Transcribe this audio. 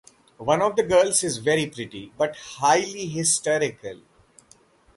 One of the girls is very pretty, but highly hysterical.